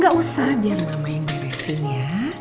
gak usah biar mama yang beresin ya